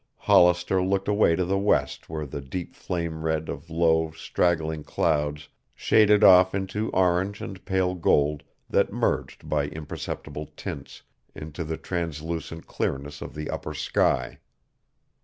Hollister looked away to the west where the deep flame red of low, straggling clouds shaded off into orange and pale gold that merged by imperceptible tints into the translucent clearness of the upper sky.